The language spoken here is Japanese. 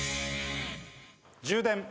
「充電」